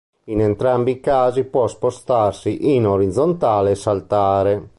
In entrambi i casi può spostarsi in orizzontale e saltare.